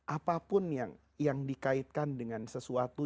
apapun yang dikaitkan dengan sesuatu